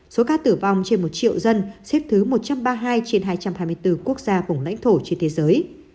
số ca tử vong trên một triệu dân xếp thứ một trăm ba mươi hai trên hai trăm hai mươi bốn quốc gia vùng lãnh thổ trên thế giới